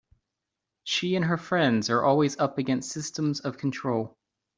She and her friends are always up against systems of control.